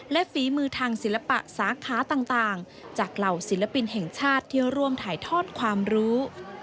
และฝีมือทางศิลปะสาขาต่างจากเหล่าศิลปินแห่งชาติที่ร่วมถ่ายทอดความรู้